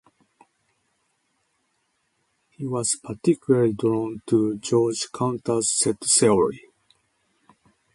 He was particularly drawn to Georg Cantor's set theory.